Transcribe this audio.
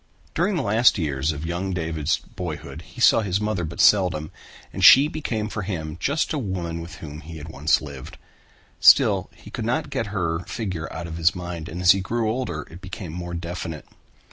During the last years of young David's boyhood he saw his mother but seldom and she became for him just a woman with whom he had once lived. Still he could not get her figure out of his mind and as he grew older it became more definite.